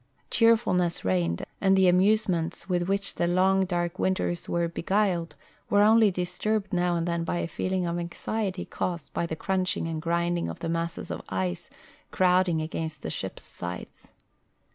Cheerfulness reigned, and the amusements with which the long, dark winters were beguiled were only disturbed now and then by a feeling of anxiety caused by the crunching and grinding of the masses of ice crowding against the ship's sides.